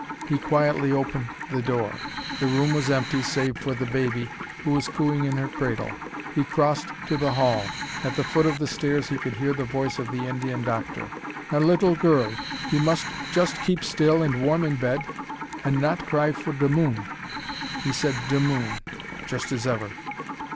He quietly opened the door. The room was empty, save for the baby, who was cooing in her cradle. He crossed to the hall. At the foot of the stairs he could hear the voice of the Indian doctor: "Now little girl, you must just keep still and warm in bed, and not cry for the moon." He said "de moon," just as ever.